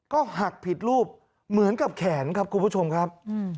ก็หักผิดรูปเหมือนกับแขนครับคุณผู้ชมครับ